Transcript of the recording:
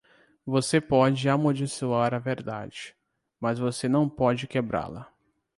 Você pode amaldiçoar a verdade, mas você não pode quebrá-la.